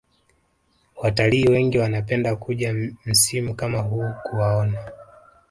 Watalii wengi wanapenda kuja msimu kama huu kuwaona